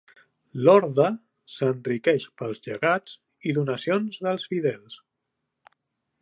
L'orde s'enriqueix pels llegats i donacions dels fidels.